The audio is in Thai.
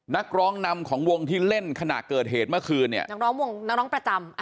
นักร้องนำของวงที่เล่นขณะเกิดเหตุเมื่อคืนเนี่ยนักร้องวงนักร้องประจำ